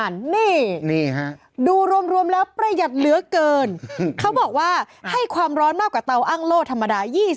นี่ฮะดูรวมแล้วประหยัดเหลือเกินเขาบอกว่าให้ความร้อนมากกว่าเตาอ้างโล่ธรรมดา๒๐